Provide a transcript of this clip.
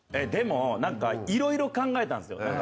でもいろいろ考えたんですよ。